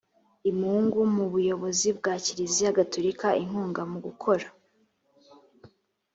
imungu mu buyobozi bwa kiliziya gatolika inkunga mu gukora